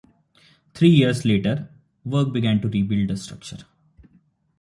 Three years later, work began to rebuild the structure.